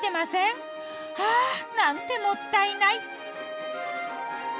ああなんてもったいない。